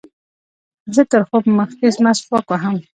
زه تر خوب مخکښي مسواک وهم.